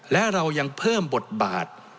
และเรายังเพิ่มบทบาท